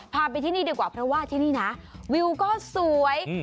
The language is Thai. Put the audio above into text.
พาไปที่นี่ดีกว่าเพราะว่าที่นี่นะวิวก็สวย